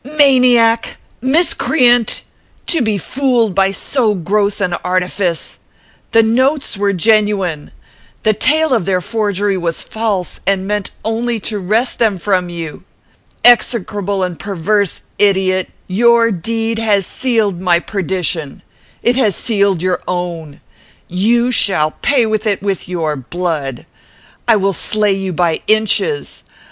"Maniac! Miscreant! To be fooled by so gross an artifice! The notes were genuine. The tale of their forgery was false and meant only to wrest them from you. Execrable and perverse idiot! Your deed has sealed my perdition. It has sealed your own. You shall pay for it with your blood. I will slay you by inches.